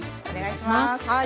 お願いします！